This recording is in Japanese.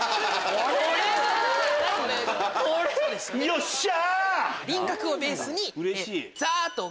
よっしゃ！